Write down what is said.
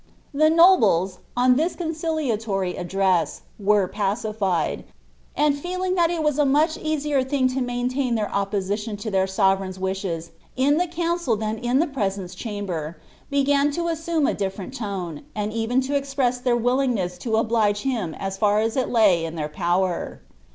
" The nobles, on this conciliatory address, were pacified ; and feeling that it was a much easier thing to maintain their opposition to their sovereign's wishes in the councS than in the presence chamber, began to assume a difierent tone, and even to express their willingness to oblige him as far as it lay in their power.'